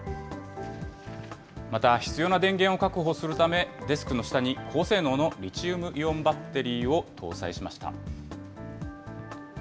また必要な電源を確保するため、デスクの下に高性能のリチウムイオンバッテリーを搭載しました。